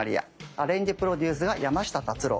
アレンジプロデュースが山下達郎。